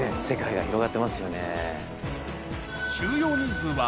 世界が広がってますよね。